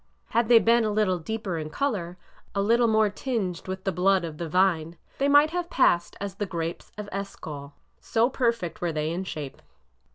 Had they been a little deeper in color, a little more tinged with the blood of the vine, they might have passed as the grapes of Eshcol,— so perfect were they in shape.